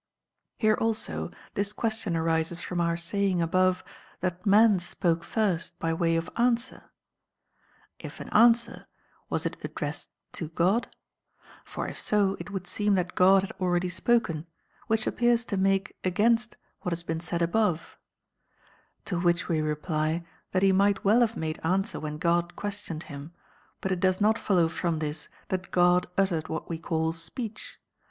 * Plere also thi question ar'ocs from our saying above that man spoke first by way of answer : If an answer, was it addressed to God ? For if so it would seem that God had already spoken, wliich appears to make against what has V. THE FIRST BOOK 13 been said above. To which we reply The that he miglit well have made answer when God speech of questioned him ; but It docs not follow frc m this that God uttered what we call si)ecch.